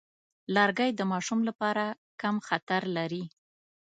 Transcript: لرګی د ماشوم لپاره کم خطر لري.